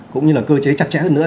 cũng như là cơ chế chặt chẽ hơn nữa